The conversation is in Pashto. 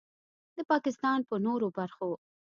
د پاکستان په نورو برخو